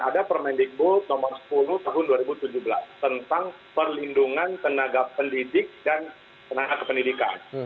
ada permendikbud nomor sepuluh tahun dua ribu tujuh belas tentang perlindungan tenaga pendidik dan tenaga kependidikan